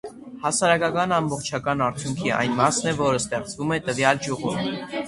Հասարակական ամբողջական արդյունքի այն մասն է, որը ստեղծվում է տվյալ ճյուղում։